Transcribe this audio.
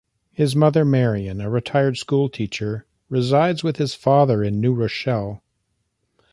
His mother, Marian, a retired school teacher, resides with his father in New Rochelle.